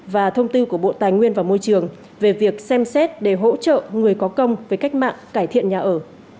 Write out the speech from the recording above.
và thông tư của bộ tài nguyên và môi trường về việc xem xét để hỗ trợ người có công với cách mạng cải thiện nhà ở